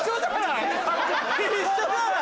一緒じゃない！